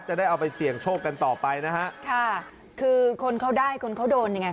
จะได้เอาไปเสี่ยงโชคกันต่อไปนะฮะค่ะคือคนเขาได้คนเขาโดนยังไง